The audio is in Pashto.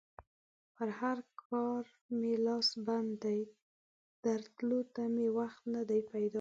پر کار مې لاس بند دی؛ درتلو ته مې وخت نه دی پیدا کړی.